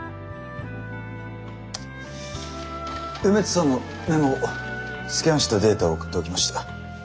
梅津さんのメモをスキャンしたデータを送っておきました。